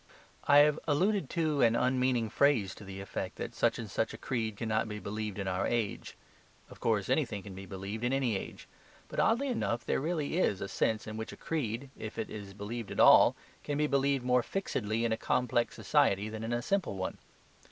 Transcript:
I have alluded to an unmeaning phrase to the effect that such and such a creed cannot be believed in our age. Of course, anything can be believed in any age. But, oddly enough, there really is a sense in which a creed, if it is believed at all, can be believed more fixedly in a complex society than in a simple one.